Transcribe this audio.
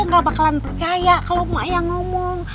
gak bakalan percaya kalau emak yang ngomong